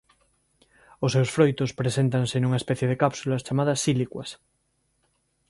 Os seus froitos preséntanse nunha especie de cápsulas chamadas "sílicuas".